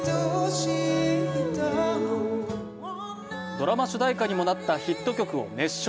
ドラマ主題歌にもなったヒット曲を熱唱。